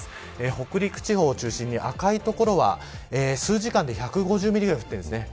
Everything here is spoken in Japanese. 北陸地方を中心に赤い所は数時間で１５０ミリくらい降っています。